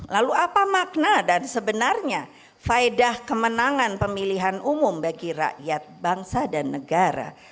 lalu apa makna dan sebenarnya faedah kemenangan pemilihan umum bagi rakyat bangsa dan negara